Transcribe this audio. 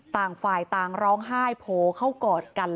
ต่างฝ่ายต่างร้องไห้โผล่เข้ากอดกัน